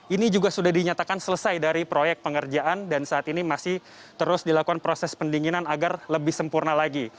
ini juga sudah dinyatakan selesai dari proyek pengerjaan dan saat ini masih terus dilakukan proses pendinginan agar lebih sempurna lagi